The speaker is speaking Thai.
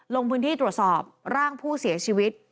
ลงพื้นที่ตรวจสอบร่างผู้เสียชีวิต